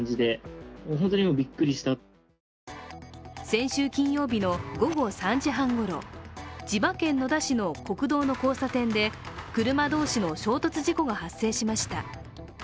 先週金曜日の午後３時半ごろ、千葉県野田市の国道の交差点で車同士の衝突事故が発生しました。